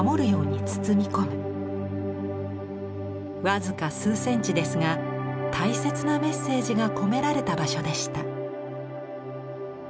僅か数センチですが大切なメッセージが込められた場所でした。